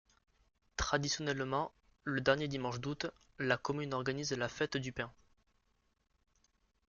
Traditionnellement, le dernier dimanche d'août, la commune organise la fête du Pain.